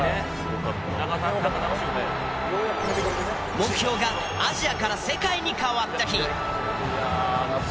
目標がアジアから世界に変わった日。